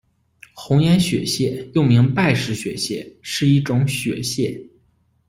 红眼雪蟹，又名拜氏雪蟹，是一种雪蟹。